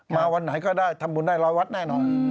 มาวันไหนก็ได้ทำบุญได้๑๐๐วัตต์แน่นอน